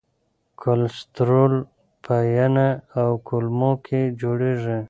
کلسترول په ینه او کولمو کې جوړېږي.